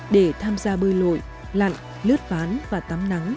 để tham gia bơi lội lặn lướt ván và tắm nắng